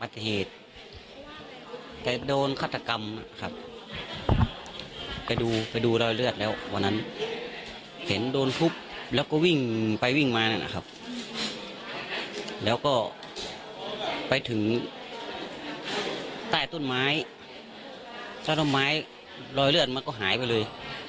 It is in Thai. เจ้าหน้าไม้รอยเลือดมันก็หายไปเลย